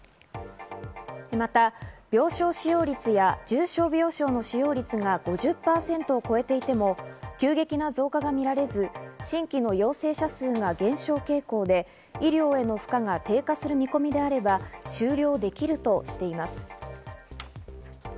また、病床使用率や重症病床の使用率が５０％を超えていても急激な増加が見られず、新規の陽性者数が減少傾向で、医療への負荷が低下する見込みであれば終了できるとしています。